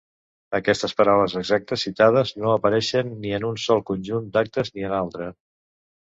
Aquestes paraules exactes citades no apareixen ni en un sol conjunt d'actes ni en l'altre.